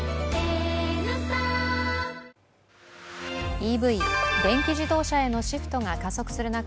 ＥＶ＝電気自動車へのシフトが加速する中